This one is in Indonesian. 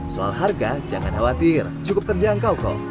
soal harga jangan khawatir cukup terjangkau kok